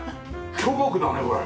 巨木だねこれ。